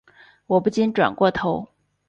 我不禁转过头